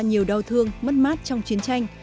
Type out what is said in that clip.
nhiều đau thương mất mát trong chiến tranh